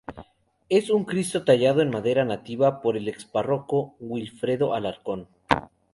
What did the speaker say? Es un cristo tallado en madera nativa por el ex párroco "Wilfredo Alarcón".